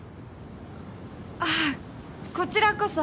ああこちらこそ。